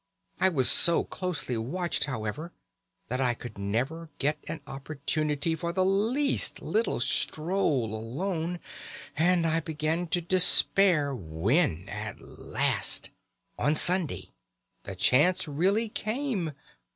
I was so closely watched, however, that I could never get an opportunity for the least little stroll alone, and I began to despair, when, at last, on Sunday, the chance really came.